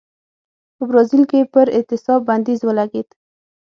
په برازیل کې پر اعتصاب بندیز ولګېد.